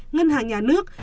ngân hàng nhà nước